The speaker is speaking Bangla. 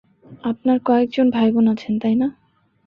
আপনার কয়েকজন ভাই-বোন আছেন, তাই না?